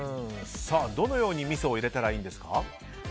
どのようにみそを入れたらいいんですか？